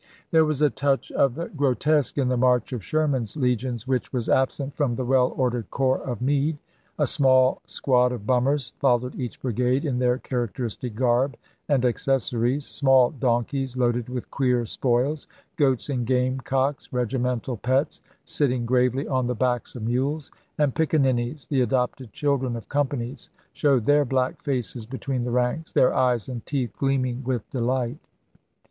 There was a touch of the 334 ABRAHAM LINCOLN ch. xvii. grotesque in the march of Sherman's legions which May, 1865. was absent from the well ordered corps of Meade. A small squad of bummers followed each brigade, in their characteristic garb and accessories; small donkeys loaded with queer spoils ; goats and game cocks, regimental pets, sitting gravely on the backs of mules ; and pickaninnies, the adopted children of companies, showed their black faces between the ranks, their eyes and teeth gleaming with delight.